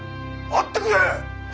待ってくれ！